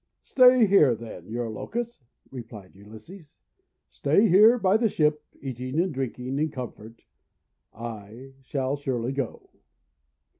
" Stay here, then, Eurylochus," replied Ulysses. "Stay here by the ship, eating and drinking in comfort. I shall surely go!'